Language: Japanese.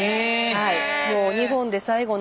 はい。